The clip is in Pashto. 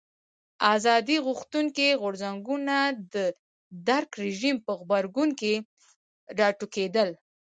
ازادي غوښتونکي غورځنګونه د درګ رژیم په غبرګون کې راوټوکېدل.